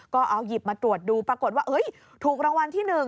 ก็เอาหยิบมาตรวจดูปรากฏว่าถูกรางวัลที่๑